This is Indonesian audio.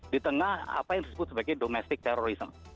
di tengah apa yang disebut sebagai domestic terrorism